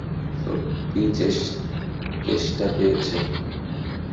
সত্যিই তেষ্টা পেয়েছে।